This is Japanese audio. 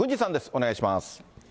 お願いします。